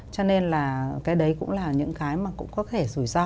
cho nên là cái đấy cũng là những cái mà cũng có thể rủi ro